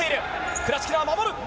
クラチキナは守る！